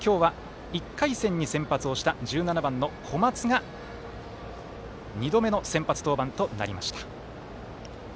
今日は、１回戦に先発をした１７番の小松が２度目の先発登板となりました。